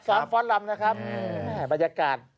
สวมฟ้อนด์ด์ลำนะครับบรรยากาศ